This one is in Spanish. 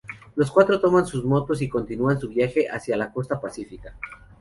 Los cuatro toman sus motos y continúan su viaje hacia la costa Pacífica.